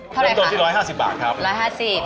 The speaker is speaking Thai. เท่าไรคะเริ่มต้นที่ร้อยห้าสิบบาทครับร้อยห้าสิบ